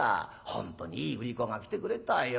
本当にいい売り子が来てくれたよ」。